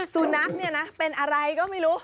สุนัขเนี่ยนะเป็นอะไรก็ไม่รู้